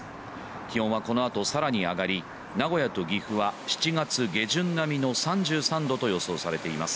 基本はこの後さらに上がり名古屋と岐阜は７月下旬並みの３３℃と予想されています。